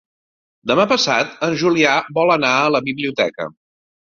Demà passat en Julià vol anar a la biblioteca.